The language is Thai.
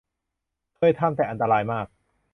เคยทำ แต่อันตรายมาก